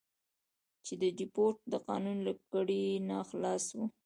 چې د دیپورت د قانون له کړۍ نه خلاص وو.